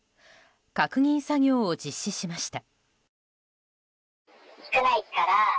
確認作業を実施しました。